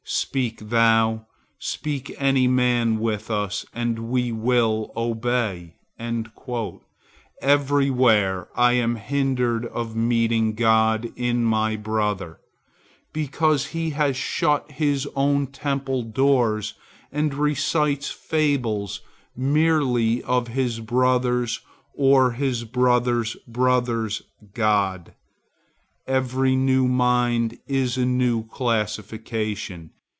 Speak thou, speak any man with us, and we will obey.' Everywhere I am hindered of meeting God in my brother, because he has shut his own temple doors and recites fables merely of his brother's, or his brother's brother's God. Every new mind is a new classification.